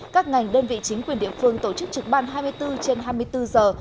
các ngành đơn vị chính quyền địa phương tổ chức trực ban hai mươi bốn trên hai mươi bốn giờ